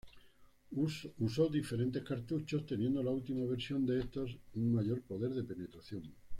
Usó diferentes cartuchos, teniendo la última versión de estos un mayor poder de penetración.